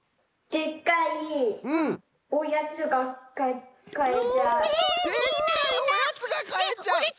でっかいおやつがかえちゃう！